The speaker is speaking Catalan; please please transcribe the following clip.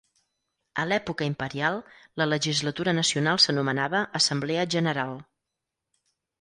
A l'època imperial la legislatura nacional s'anomenava "Assemblea General".